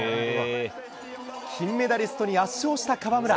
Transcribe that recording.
金メダリストに圧勝した川村。